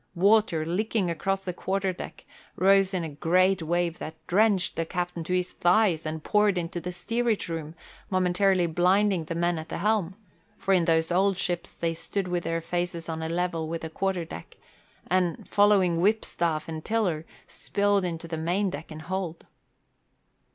Water, licking across the quarter deck, rose in a great wave that drenched the captain to his thighs and poured into the steerage room, momentarily blinding the men at the helm, for in those old ships they stood with their faces on a level with the quarter deck, and, following whipstaff and tiller, spilled into the main deck and hold.